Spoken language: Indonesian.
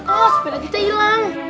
oh sepeda kita hilang